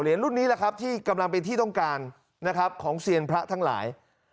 รุ่นนี้แหละครับที่กำลังเป็นที่ต้องการนะครับของเซียนพระทั้งหลาย